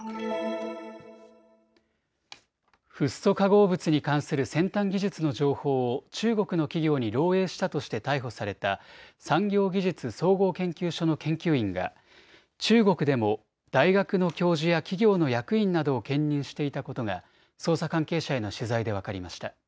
フッ素化合物に関する先端技術の情報を中国の企業に漏えいしたとして逮捕された産業技術総合研究所の研究員が中国でも大学の教授や企業の役員などを兼任していたことが捜査関係者への取材で分かりました。